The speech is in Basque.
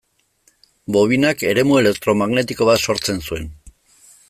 Bobinak eremu elektromagnetiko bat sortzen zuen.